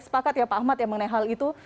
sepakat ya pak ahmad ya mengenai hal itu